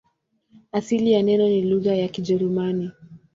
Asili ya neno ni lugha ya Kijerumani.